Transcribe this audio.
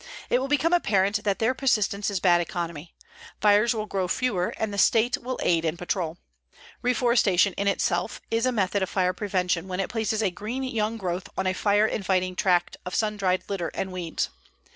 It will become apparent that their persistence is bad economy. Fires will grow fewer and the state will aid in patrol. Reforestation in itself is a method of fire prevention when it places a green young growth on a fire inviting tract of sun dried litter and weeds.